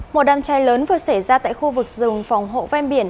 một đâm chai lớn vừa xảy ra tại khu vực rừng phòng hộ ven biển